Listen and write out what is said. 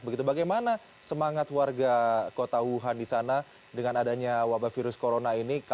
begitu bagaimana semangat warga kota wuhan di sana dengan adanya wabah virus corona ini